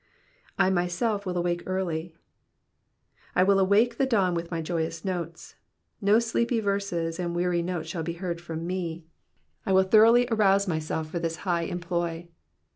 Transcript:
*'/ mysdf will awake early.'' ^ I will awake the dawn with my joyous notes. No sleepy verses and weary notes shall be heard from me ; I will thoroughly arouse myself for this high employ.